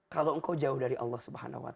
kalau engkau jauh dari allah swt